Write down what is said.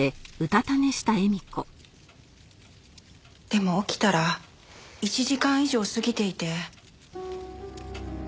でも起きたら１時間以上過ぎていて。